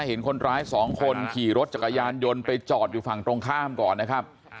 เห็นคนร้ายสองคนขี่รถจักรยานยนต์ไปจอดอยู่ฝั่งตรงข้ามก่อนนะครับ